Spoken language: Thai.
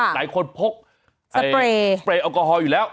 หลายคนพกสเปรย์แอลกอฮอลอยู่แล้ว